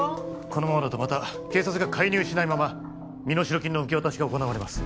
このままだとまた警察が介入しないまま身代金の受け渡しが行われます